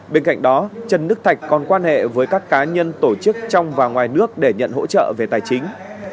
bên cạnh đó trần đức thạch còn quan hệ với các cá nhân tổ chức trong và ngoài nước để nhận hỗ trợ về tài chính